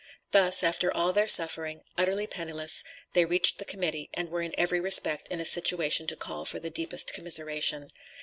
Thus, after all their suffering, utterly penniless, they reached the Committee, and were in every respect, in a situation to call for the deepest commiseration.